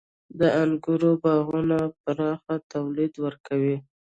• د انګورو باغونه پراخ تولید ورکوي.